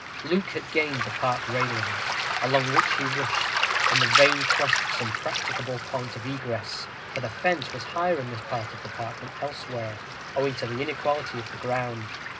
Luke had gained the park palings, along which he rushed, in the vain quest of some practicable point of egress, for the fence was higher in this part of the park than elsewhere, owing to the inequality of the ground.